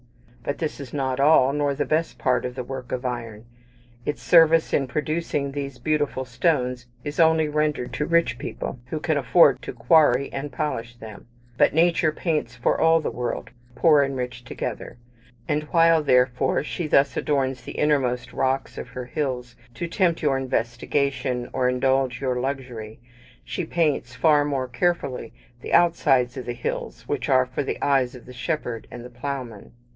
But this is not all, nor the best part of the work of iron. Its service in producing these beautiful stones is only rendered to rich people, who can afford to quarry and polish them. But Nature paints for all the world, poor and rich together: and while, therefore, she thus adorns the innermost rocks of her hills, to tempt your investigation, or indulge your luxury, she paints, far more carefully, the outsides of the hills, which are for the eyes of the shepherd and the ploughman.